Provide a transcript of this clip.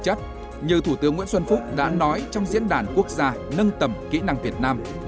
chất như thủ tướng nguyễn xuân phúc đã nói trong diễn đàn quốc gia nâng tầm kỹ năng việt nam